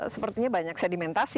sepertinya banyak sedimentasi